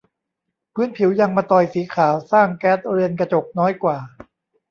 พื้นผิวยางมะตอยสีขาวสร้างแก๊สเรือนกระจกน้อยกว่า